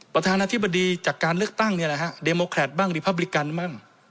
ประธานาธิบดีจากการเลือกตั้งเนี่ยแหละฮะเดโมแครตบ้างรีพับริกันบ้าง